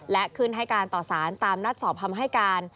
และขึ้นให้การต่อสารตามนัดสอบคำให้การ